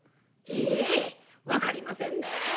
「ええ分かりませんね。